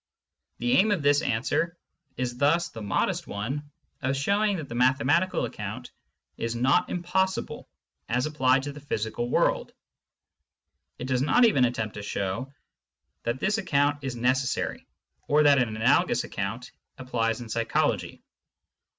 The aim of this answer is thus the modest one of showing that the mathematical account is not im possible as applied to the physical world ; it does not even attempt to show that this account is necessary, or that an analogous account applies in psychology.